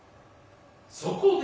そこで。